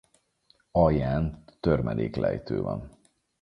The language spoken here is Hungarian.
Alján törmeléklejtő van.